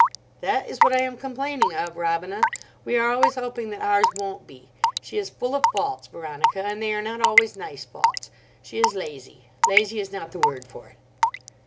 "That is what I am complaining of, Robina. We are always hoping that ours won't be. She is full of faults, Veronica, and they are not always nice faults. She is lazy—lazy is not the word for it."